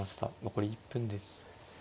残り１分です。